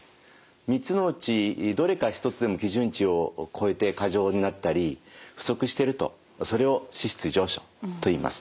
３つのうちどれか１つでも基準値を超えて過剰になったり不足しているとそれを脂質異常症といいます。